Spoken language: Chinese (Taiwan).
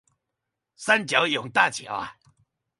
三角湧大橋